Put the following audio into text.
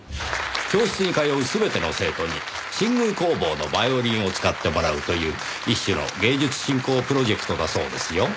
教室に通う全ての生徒に新宮工房のバイオリンを使ってもらうという一種の芸術振興プロジェクトだそうですよ。